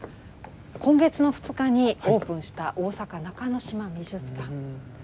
今月の２日にオープンした大阪中之島美術館。